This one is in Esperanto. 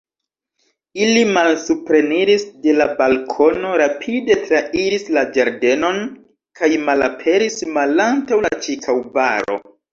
Ili malsupreniris de la balkono, rapide trairis la ĝardenon kaj malaperis malantaŭ la ĉirkaŭbaro.